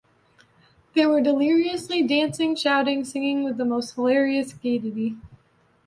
They were deliriously dancing, shouting, singing with the most hilarious gaiety.